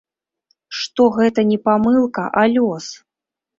Што гэта не памылка, а лёс.